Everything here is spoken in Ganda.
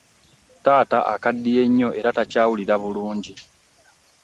Taata akaddiye nnyo era takyawulira bulungi.